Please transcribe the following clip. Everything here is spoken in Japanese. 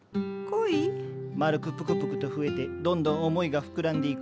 恋？丸くプクプクと増えてどんどん思いが膨らんでいく。